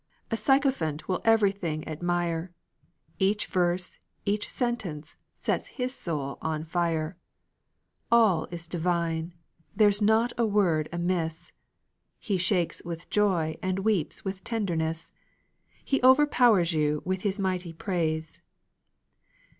A sycophant will everything admire; Each verse, each sentence, sets his soul on fire; All is divine! there's not a word amiss! He shakes with joy and weeps with tenderness; He overpowers you with his mighty praise.